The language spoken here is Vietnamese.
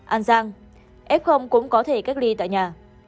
an giang ép không cũng có thể cách ly tại nhà